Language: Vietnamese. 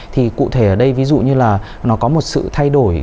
thì cụ thể ở đây ví dụ như là nó có một sự thay đổi